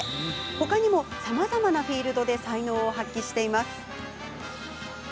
ほかにもさまざまなフィールドで才能を発揮しています。